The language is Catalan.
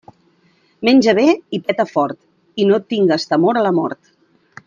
Menja bé i peta fort, i no tingues temor a la mort.